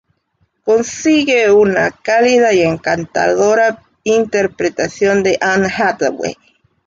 Consigue una cálida y encantadora interpretación de Anne Hathaway".